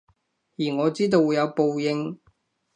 而我知道會有報應